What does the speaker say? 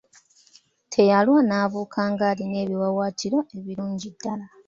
Teyalwa n'abuuka ng'alina ebiwaawaatiro ebirungi ddala.